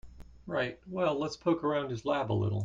Right, well let's poke around his lab a little.